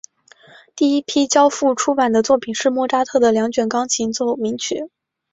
第一批交付出版的作品是莫扎特的两卷钢琴奏鸣曲。